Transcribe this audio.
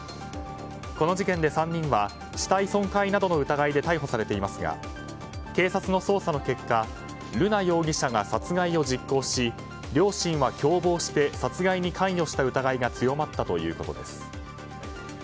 この事件で３人は死体損壊などの疑いで逮捕されていますが警察の捜査の結果瑠奈容疑者が殺害を実行し両親は共謀して殺害に関与した疑いが強まったということです。